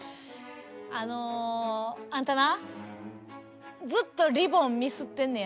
あのあんたなずっとリボンミスってんねや。